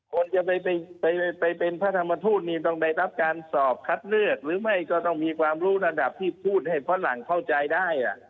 คนจะไปเป็นพระธรรมทูตนี่ต้องได้รับการสอบคัดเลือกหรือไม่ก็ต้องมีความรู้ระดับที่พูดให้ฝรั่งเข้าใจได้